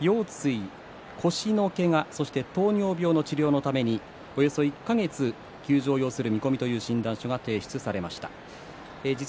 腰椎、腰のけがそして糖尿病の治療のためにおよそ１か月治療を要するという診断書が出されました。